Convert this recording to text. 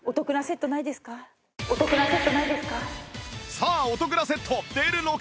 さあお得なセット出るのか？